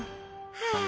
はあ。